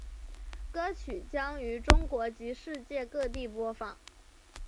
歌曲将于中国及世界各地播放。